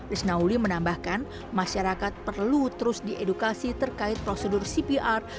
risnauli menambahkan masyarakat perlu terus diedukasi terkait prosedur cpr